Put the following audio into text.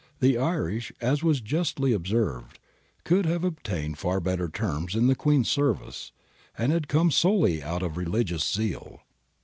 The Irish, as was justly observed, could have obtained far better terms in the Queen's service, and had come solel}'^ out of religious zeal.